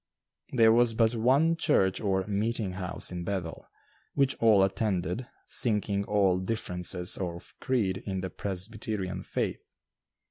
There was but one church or "meeting house" in Bethel, which all attended, sinking all differences of creed in the Presbyterian faith.